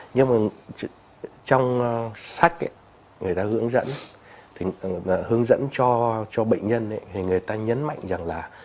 nhưng mà trong sách người ta hướng dẫn cho bệnh nhân người ta nhấn mạnh rằng là